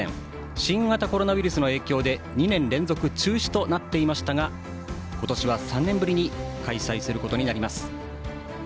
新型コロナウイルスの影響で２年連続中止となっていましたが今年は、３年ぶりに開催することになります。